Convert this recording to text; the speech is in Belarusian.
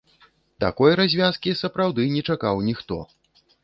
Такой развязкі сапраўды не чакаў ніхто.